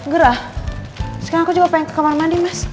gerah sekarang aku juga pengen ke kamar mandi mas